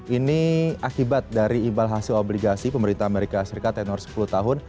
ini akibat dari ibal hasil obligasi pemerintah amerika serikat tenor sepuluh tahun